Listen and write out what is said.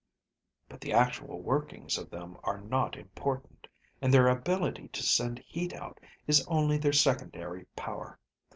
"But the actual workings of them are not important. And their ability to send heat out is only their secondary power.